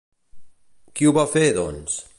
Qui ho va fer, doncs?